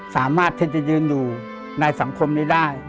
สามารถที่จะยืนอยู่ในสังคมนี้ได้